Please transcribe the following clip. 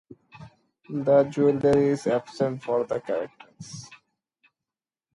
The jewelry is absent for the characters.